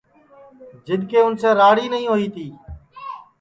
جِدؔ کہ اُنسے راڑ ہی نائی ہوئی تی